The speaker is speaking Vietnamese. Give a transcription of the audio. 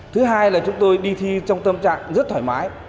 thứ hai là chúng tôi đi thi trong tâm trạng rất thoải mái